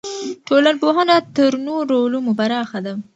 ټولنپوهنه تر نورو علومو پراخه ده.